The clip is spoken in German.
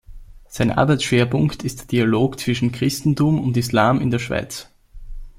Sein Arbeitsschwerpunkt ist der Dialog zwischen Christentum und Islam in der Schweiz.